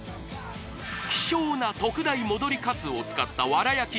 希少な特大戻り鰹を使った藁焼き鰹